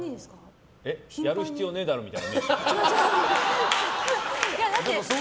やる必要ねえだろみたいに違う違う！